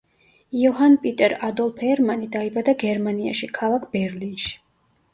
იოჰან პიტერ ადოლფ ერმანი დაიბადა გერმანიაში, ქალაქ ბერლინში.